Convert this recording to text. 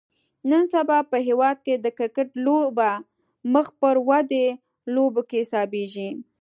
نن سبا په هیواد کې د کرکټ لوبه مخ پر ودې لوبو کې حسابیږي